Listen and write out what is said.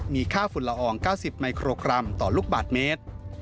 มีค่าฝุ่นละออง๙๐มิโครกรัมต่อลูกบาทเมตร